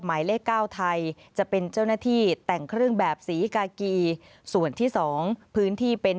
หมายเลข๙ไทยจะเป็นเจ้าหน้าที่แต่งเครื่องแบบสีกากีส่วนที่๒พื้นที่เป็น